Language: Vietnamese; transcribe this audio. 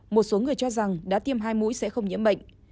một số người cho rằng đã tiêm hai mũi sẽ không nhiễm bệnh